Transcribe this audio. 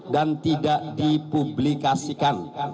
dan tidak dipublikasikan